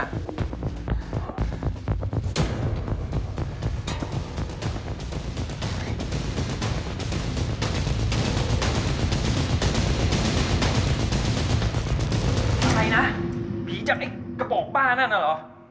อะไรนะเดี๋ยวพีชจับไอ้กระป๋องบ้านั่นเหรอ